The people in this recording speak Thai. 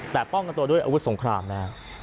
แต่ป้องกันตัวด้วยอาวุธสงครามนะฮะ